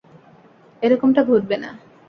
এরকমটা ঘটবে না।